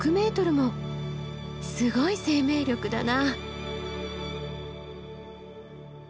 すごい生命力だな。